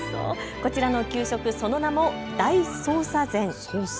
こちらの給食、その名も大匝瑳膳。